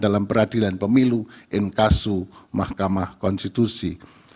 dalam peradilan pemilu in kasus mahkamah konstitusi